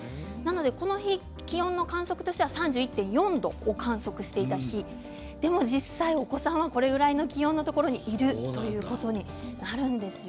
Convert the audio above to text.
この日、気温としては３１．４度を観測していましたが実際、お子さんはこれぐらいの気温のところにいるということになるんです。